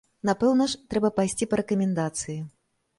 Напэўна ж, трэба пайсці па рэкамендацыі.